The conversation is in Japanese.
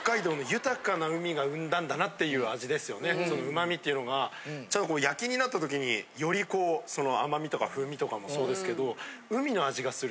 旨味っていうのが焼きになった時によりこうその甘みとか風味とかもそうですけど。